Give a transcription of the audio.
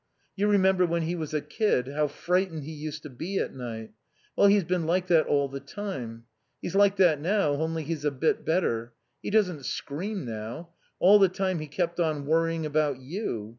You remember when he was a kid, how frightened he used to be at night. Well, he's been like that all the time. He's like that now, only he's a bit better. He doesn't scream now.... All the time he kept on worrying about you.